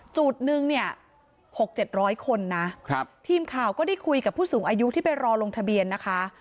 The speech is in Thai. จุดนึงเนี่ย๖๗๐๐คนนะครับทีมข่าวก็ได้คุยกับผู้สูงอายุที่ไปรอลงทะเบียนนะคะ